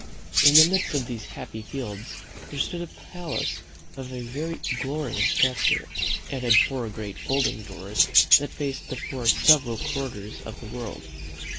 In the midst of these happy fields there stood a palace of a very glorious structure. It had four great folding doors that faced the four several quarters of the world.